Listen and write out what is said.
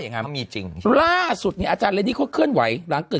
อย่างนั้นมีจริงล่าสุดเนี่ยอาจารย์เรนนี่เขาเคลื่อนไหวหลังเกิด